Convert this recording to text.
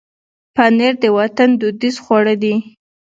پنېر د وطن دودیز خواړه دي.